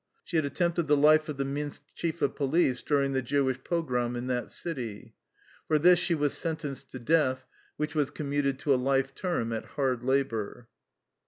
She had attempted the life of the Minsk chief of police during the Jew ish pogrom in that city. For this she was sen tenced to death, which was commuted to a life term at hard labor.